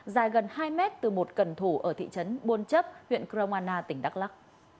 dài gần hai m từ một cần thủ ở thị trấn bôn chấp huyện cromana tỉnh đắk lắc